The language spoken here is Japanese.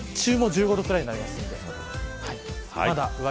日中も１５度くらいになります。